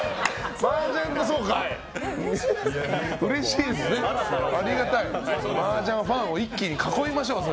マージャンファンを一気に囲いましょう。